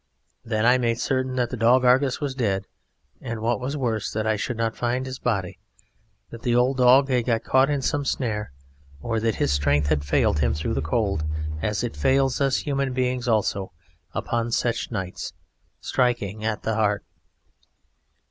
Then I made certain that the dog Argus was dead, and what was worse that I should not find his body: that the old dog had got caught in some snare or that his strength had failed him through the cold, as it fails us human beings also upon such nights, striking at the heart.